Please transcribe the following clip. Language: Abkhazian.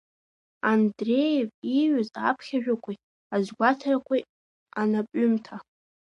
Андреев ииҩыз аԥхьажәақәеи азгәаҭарақәеи анапҩымҭа…